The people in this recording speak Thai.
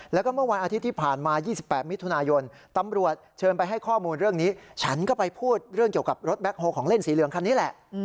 แล้วก็เมื่อวันอาทิตย์ที่ผ่านมา๒๘มิถุนายนตำรวจเชิญไปให้ข้อมูลเรื่องนี้ฉันก็ไปพูดเรื่องเกี่ยวกับรถแคคโฮของเล่นสีเหลืองคันนี้แหละ